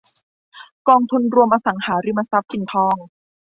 กองทุนรวมอสังหาริมทรัพย์ปิ่นทอง